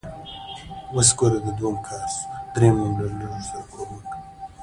ازادي راډیو د اټومي انرژي پر اړه مستند خپرونه چمتو کړې.